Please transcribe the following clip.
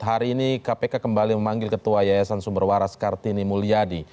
hari ini kpk kembali memanggil ketua yayasan sumber waras kartini mulyadi